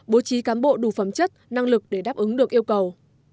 bố trí cán bộ đủ phẩm chất năng lực để đáp ứng được yêu cầu